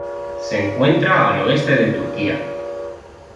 Se encuentra al oeste de Turquía.